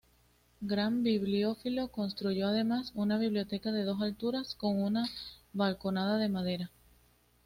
Gran bibliófilo, construyó además una biblioteca a dos alturas con una balconada de madera.